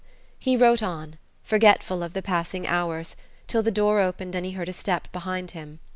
He wrote on, forgetful of the passing hours, till the door opened and he heard a step behind him.